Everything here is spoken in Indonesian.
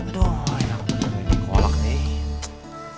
aduh enak banget dikolak nih